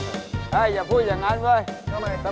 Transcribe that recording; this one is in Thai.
ถูกทำปรับกระทั่งประดับตะล้วนฝอรสัยภาพที่ฟูมิ